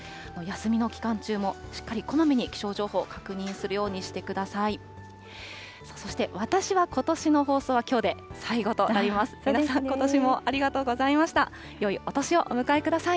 休みの期間中も、しっかりこまめに気象情報、確認するようにしてください。